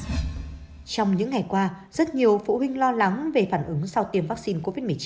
trong những ngày qua rất nhiều phụ huynh lo lắng về phản ứng sau tiêm vaccine covid một mươi chín